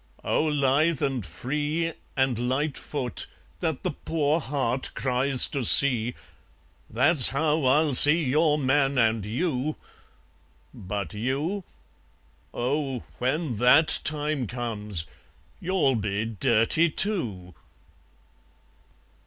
O lithe and free And lightfoot, that the poor heart cries to see, That's how I'll see your man and you! But you Oh, when THAT time comes, you'll be dirty too!